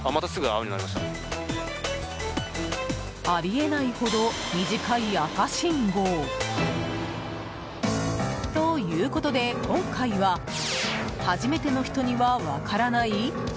あり得ないほど短い赤信号。ということで今回は初めての人には分からない？